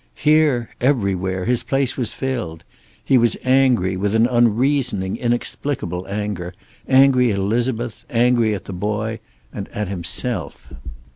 Here, everywhere, his place was filled. He was angry with an unreasoning, inexplicable anger, angry at Elizabeth, angry at the boy, and at himself.